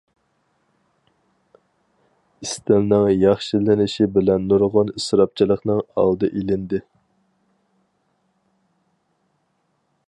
ئىستىلنىڭ ياخشىلىنىشى بىلەن نۇرغۇن ئىسراپچىلىقنىڭ ئالدى ئېلىندى.